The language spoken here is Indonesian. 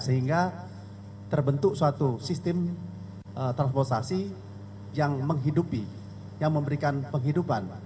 sehingga terbentuk suatu sistem transportasi yang menghidupi yang memberikan penghidupan